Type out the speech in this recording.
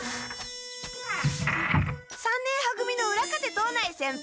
三年は組の浦風藤内先輩！